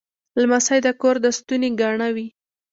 لمسی د کور د ستوني ګاڼه وي.